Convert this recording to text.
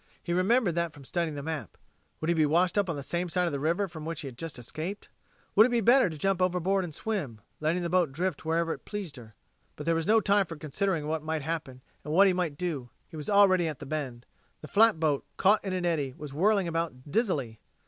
He remembered that from studying the map. Would he be washed up on the same side of the river from which he had just escaped? Would it be better to jump overboard and swim, letting the boat drift wherever it pleased her? But there was no time for considering what might happen, and what he might do: he was already at the bend. The flat boat, caught in the eddy, was whirling about dizzily.